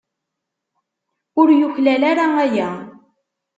Ur yuklal ara aya.